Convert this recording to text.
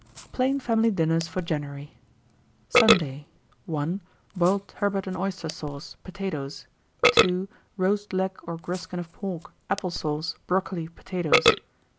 PLAIN FAMILY DINNERS FOR JANUARY. 1895. Sunday. 1, Boiled turbot and oyster sauce, potatoes. 2. Roast leg or griskin of pork, apple sauce, brocoli, potatoes.